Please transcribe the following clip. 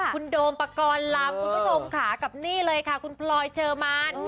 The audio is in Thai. คุณโดมประกอลลังคุณผู้ชมคะกับนี่เลยค่ะคุณพลอยเจอมัน